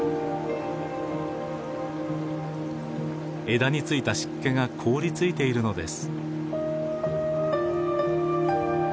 枝に付いた湿気が凍りついているのです。